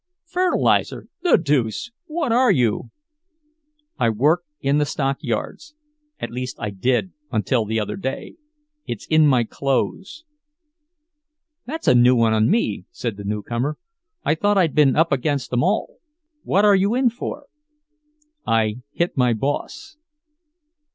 "Fertilizer! The deuce! What are you?" "I work in the stockyards—at least I did until the other day. It's in my clothes." "That's a new one on me," said the newcomer. "I thought I'd been up against 'em all. What are you in for?" "I hit my boss."